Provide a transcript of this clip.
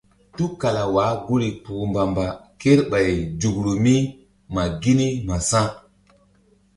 Tukala wah guri kpuh mbamba kerɓay zukru mi ma gini ma sa̧.